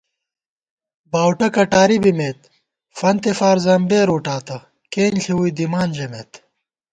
باؤٹہ کٹاری بِمېت فنتے فار زمبېر وُٹاتہ کېنݪی ووئی دِمان ژَمېت